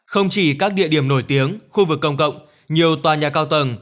không chỉ các địa điểm nổi tiếng khu vực công cộng nhiều tòa nhà cao tầng